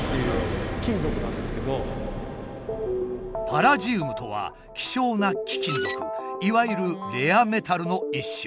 パラジウムとは希少な貴金属いわゆるレアメタルの一種。